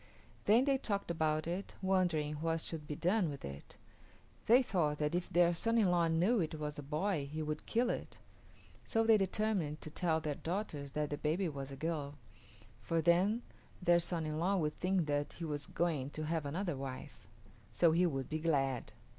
Then they talked about it, wondering what should be done with it. They thought that if their son in law knew it was a boy he would kill it; so they determined to tell their daughters that the baby was a girl, for then their son in law would think that he was going to have another wife. So he would be glad.